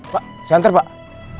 pak santai pak